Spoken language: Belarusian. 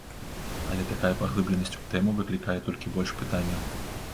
Але такая паглыбленасць у тэму выклікае толькі больш пытанняў.